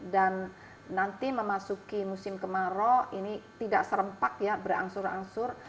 dan nanti memasuki musim kemarau ini tidak serempak ya berangsur angsur